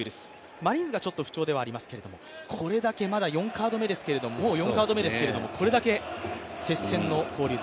マリーンズがちょっと不調ではありますけど４カード目ですけれども、これだけ接戦の交流戦。